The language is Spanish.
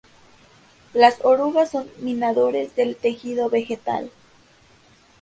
Las orugas son minadores del tejido vegetal.